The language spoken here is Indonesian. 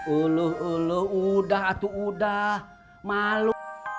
uluh uluh udah atuh udah malu